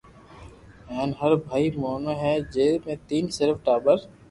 ھين ھر ڀاتي موٽو ھي جي ۾ تين صرف ٽاٻر